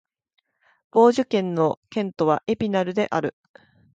ヴォージュ県の県都はエピナルである